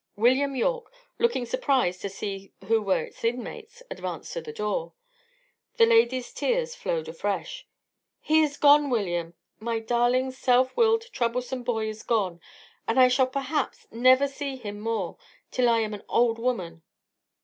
William Yorke, looking surprised to see who were its inmates, advanced to the door. The lady's tears flowed afresh. "He is gone, William! My darling, self willed, troublesome boy is gone, and I shall, perhaps, never see him more, till I am an old woman."